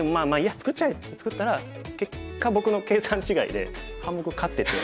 作っちゃえ！」って作ったら結果僕の計算違いで半目勝ってて。